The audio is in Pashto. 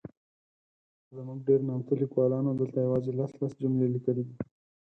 زموږ ډېر نامتو لیکوالانو دلته یوازي لس ،لس جملې لیکلي دي.